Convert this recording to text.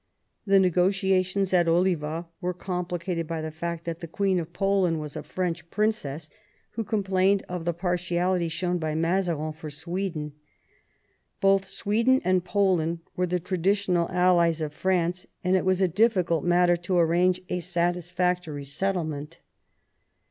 The negotia tions at Oliva were complicated by the fact that the Queen of Poland was a French princess who complained of the partiality shown by Mazarin for Sweden. Both Sweden and Poland were the traditional allies of France, and it was a difficult matter to arrange a satisfactory settlement.